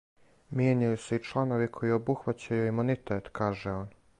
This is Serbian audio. Мијењању се и чланови који обухваћају имунитет, каже он.